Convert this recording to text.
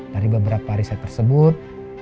dari beberapa riset tersebut